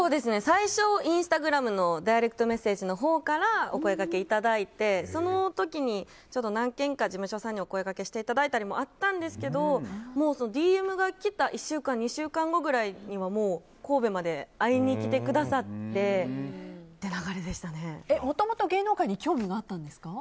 最初、インスタグラムのダイレクトメッセージのほうからお声がけいただいて、その時に何件か事務所さんにお声がけしていただいたりあったんですけど、ＤＭが来た１週間、２週間後くらいにはもう神戸まで会いに来てくださってっていうもともと芸能界に興味があったんですか？